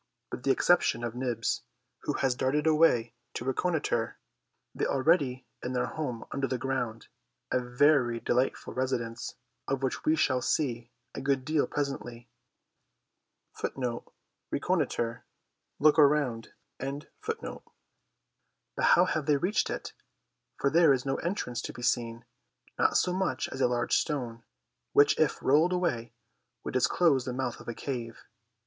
With the exception of Nibs, who has darted away to reconnoitre, they are already in their home under the ground, a very delightful residence of which we shall see a good deal presently. But how have they reached it? for there is no entrance to be seen, not so much as a large stone, which if rolled away, would disclose the mouth of a cave.